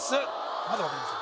まだ分かりません